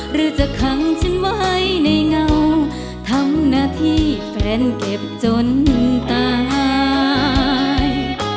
หรือจะขังฉันไว้ในเงาทำหน้าที่แฟนเก็บจนตาย